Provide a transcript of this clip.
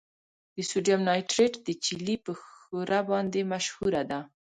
د سوډیم نایټریټ د چیلي په ښوره باندې مشهوره ده.